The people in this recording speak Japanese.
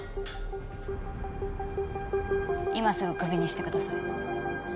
今すぐクビにしてください。